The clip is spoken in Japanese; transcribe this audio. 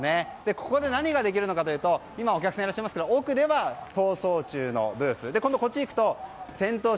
ここで何ができるのかというとお客さんがいらっしゃいますが奥では「逃走中」こっちへ行くと「戦闘中」。